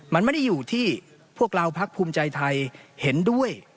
มันไม่ได้อยู่ที่พวกเราพักภูมิใจไทยเห็นด้วย